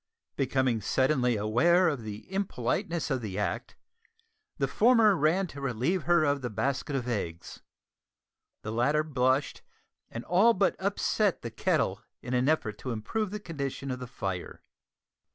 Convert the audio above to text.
Becoming suddenly aware of the impoliteness of the act, the former ran to relieve her of the basket of eggs; the latter blushed, and all but upset the kettle in an effort to improve the condition of the fire.